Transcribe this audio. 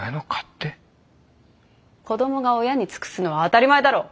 子どもが親に尽くすのは当たり前だろ。